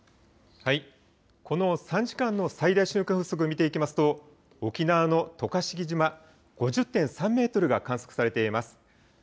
この３時間の最大瞬間風速見ていきますと沖縄の渡嘉敷島５０．３メートルが観測されています。